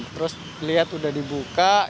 terus kelihatan sudah dibuka